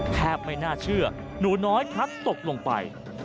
ไม่น่าเชื่อหนูน้อยพลัดตกลงไป